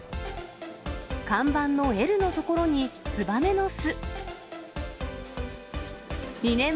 看板のＬの所にツバメの巣。